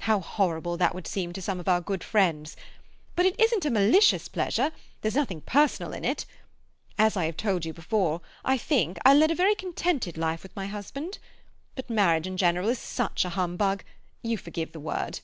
How horrible that would seem to some of our good friends! But it isn't a malicious pleasure; there's nothing personal in it. As I have told you before, I think, I led a very contented life with my husband. But marriage in general is such a humbug—you forgive the word."